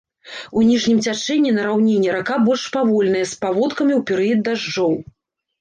У ніжнім цячэнні на раўніне рака больш павольная, з паводкамі ў перыяд дажджоў.